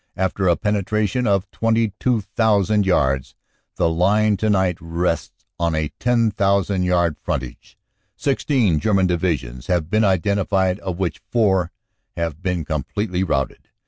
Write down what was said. After a penetration of 22,000 yards the line to night rests on a 10,000 yard frontage. Sixteen German Divisions have been identi fied, of which four have been completely routed.